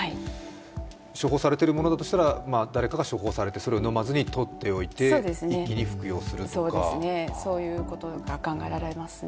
処方されているものだとしてら、誰かが処方されてそれを飲まずに取っておいて、一気に服用するとかそういうことが考えられますね。